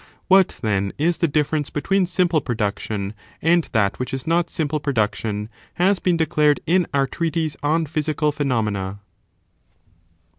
What, then, is the difference between simple production, and that which is not simple production, has been declared in our Treatise on Physical Phenomena.